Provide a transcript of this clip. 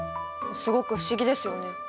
すごく不思議ですよね。